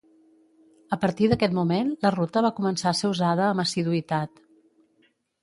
A partir d'aquest moment, la ruta va començar a ser usada amb assiduïtat.